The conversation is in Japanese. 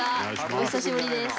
お久しぶりです。